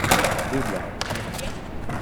Deux blondes.